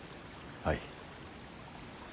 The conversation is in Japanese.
はい。